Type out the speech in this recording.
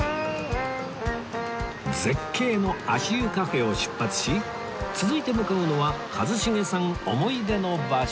絶景の足湯カフェを出発し続いて向かうのは一茂さん思い出の場所